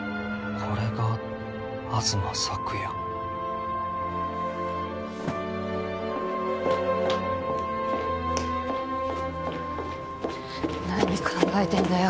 これが東朔也何考えてんだよ